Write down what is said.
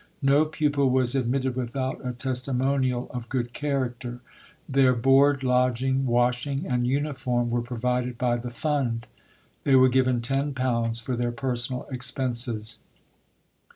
No pupil was admitted without a testimonial of good character. Their board, lodging, washing, and uniform were provided by the Fund. They were given £10 for their personal expenses.